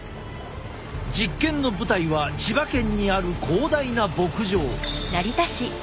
実験の舞台は千葉県にある広大な牧場。